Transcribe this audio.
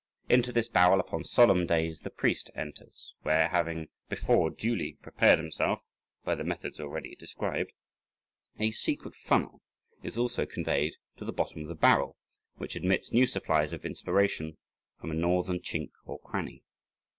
Into this barrel upon solemn days the priest enters, where, having before duly prepared himself by the methods already described, a secret funnel is also conveyed to the bottom of the barrel, which admits new supplies of inspiration from a northern chink or cranny.